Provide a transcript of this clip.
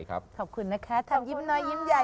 ขอบคุณค่ะ